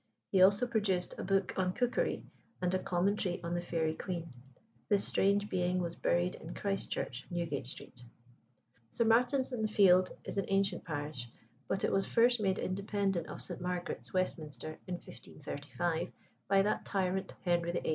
He also produced a book on cookery, and a commentary on the Faerie Queen. This strange being was buried in Christ Church, Newgate Street. St. Martin's in the Fields is an ancient parish, but it was first made independent of St. Margaret's, Westminster, in 1535, by that tyrant Henry VIII.